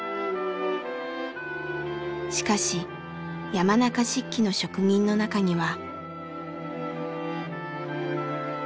しかし山中漆器の職人の中には。